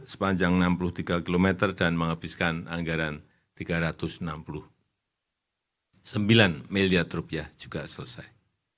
sepanjang enam puluh tiga km dan menghabiskan anggaran rp tiga ratus enam puluh sembilan miliar juga selesai